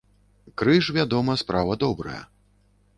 Крыж, вядома, справа добрая.